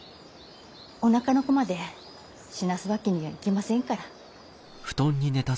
おなかの子まで死なすわけにはいきませんから。